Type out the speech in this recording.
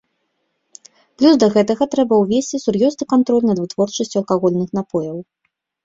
Плюс да гэтага трэба ўвесці сур'ёзны кантроль над вытворчасцю алкагольных напояў.